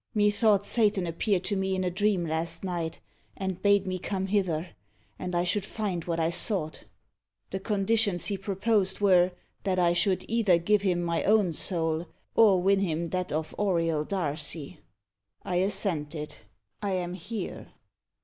Methought Satan appeared to me in a dream last night, and bade me come hither, and I should find what I sought. The conditions he proposed were, that I should either give him my own soul, or win him that of Auriol Darcy. I assented. I am here.